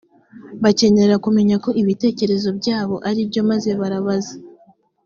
bakenera kumenya ko ibitekerezo byabo aribyo maze barabaza